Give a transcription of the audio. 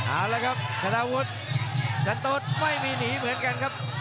อ้าวแล้วครับฆาตาวุฒิสะโดดไม่มีหนีเหมือนกันครับ